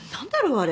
あれ。